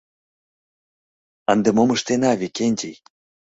Ынде мом ыштена, Викентий?